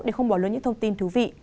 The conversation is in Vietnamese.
để không bỏ lỡ những thông tin thú vị